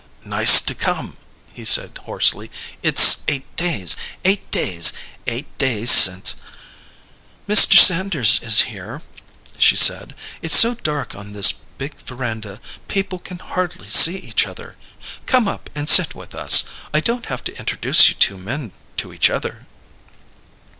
"Nice to come!" he said hoarsely. "It's eight days eight days eight days since " "Mr. Sanders is here," she said. "It's so dark on this big veranda people can hardly see each other. Come up and sit with us. I don't have to introduce you two men to each other."